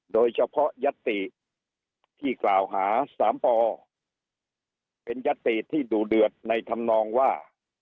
โดยเฉพาะยศติที่กล่าวหาสามเป็นยศติที่ดูเดือดในธรรมนองว่า